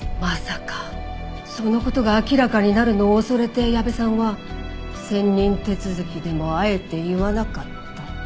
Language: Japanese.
まさかその事が明らかになるのを恐れて矢部さんは選任手続でもあえて言わなかった？